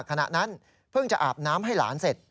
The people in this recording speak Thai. ขณะนั้นเพิ่งจะอาบน้ำให้หลานเสร็จ